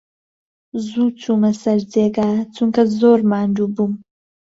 زوو چوومە سەر جێگا، چونکە زۆر ماندوو بووم.